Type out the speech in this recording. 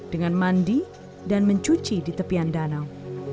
dengan mandi dan mencuci di tepian danau